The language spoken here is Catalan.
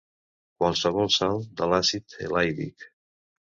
Qualsevol sal de l'àcid elaídic.